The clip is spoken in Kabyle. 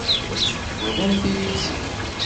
Bḍumt-iyi-tt-id.